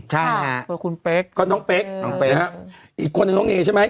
ใช่เบอร์คุณเป๊กก็น้องเป๊กน้องเป๊กนะฮะอีกคนนึงน้องเอใช่ไหม